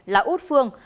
là út phương